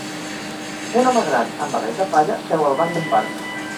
Un home gran amb barret de palla seu al banc d'un parc.